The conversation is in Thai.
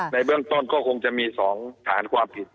ในเบื้องต้นก็คงจะมี๒ฐานความผิด